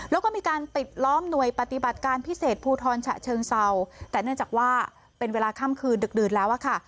แล้วก็มีการปิดล้อมหน่วยปฏิบัติการพิเศษภูทรฉะเชิงเศร้าแต่เนื่องจากว่าเป็นเวลาค่ำคืนดึกดื่นแล้วอะค่ะ